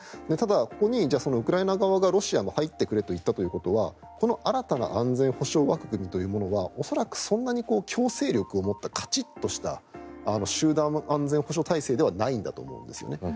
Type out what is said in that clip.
ただ、ここにウクライナ側がロシアも入ってくれと言ったなら新たな安全保障枠組みというものは恐らくそんなに強制力を持ったカチッとした集団安全保障体制ではないんだと思うんですよね。